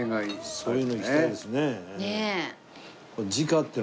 そういうのいきたいですね。